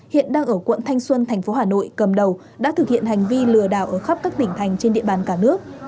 hiện đang ở quận thanh xuân thành phố hà nội cầm đầu đã thực hiện hành vi lừa đảo ở khắp các tỉnh thành trên địa bàn cả nước